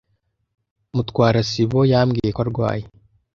Mutwara sibo yambwiye ko arwaye.